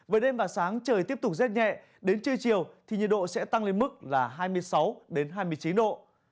với đêm và sáng trời tiếp tục rét nhẹ đến trưa chiều thì nhiệt độ sẽ tăng lên mức là hai mươi sáu hai mươi chín độ